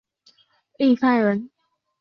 郦范人。